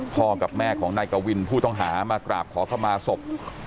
กับแม่ของนายกวินผู้ต้องหามากราบขอเข้ามาศพ